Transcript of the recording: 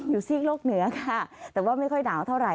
ซีกโลกเหนือค่ะแต่ว่าไม่ค่อยหนาวเท่าไห